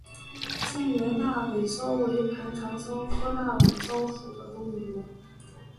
近缘大尾蚤为盘肠蚤科大尾蚤属的动物。